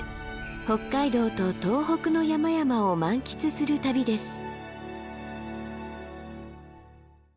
北海道と東北の山々を満喫する旅です。